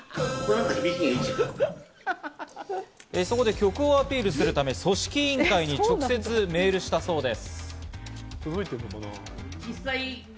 曲をアピールするため組織委員会に直接メールしたそうです。